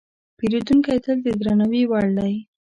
پیرودونکی تل د درناوي وړ دی.